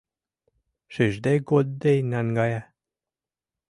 Шижде-годде наҥгая.